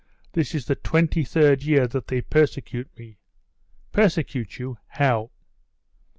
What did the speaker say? This is the twenty third year that they persecute me." "Persecute you? How?"